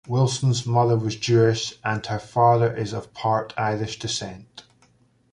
Wilson's mother was Jewish, and her father is of part Irish descent.